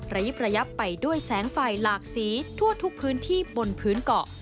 ระยิบระยับไปด้วยแสงไฟหลากสีทั่วทุกพื้นที่บนพื้นเกาะ